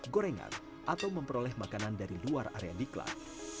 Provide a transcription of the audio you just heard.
gorengan atau memperoleh makanan dari luar area di klat